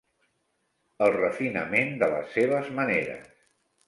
El refinament de les seves maneres.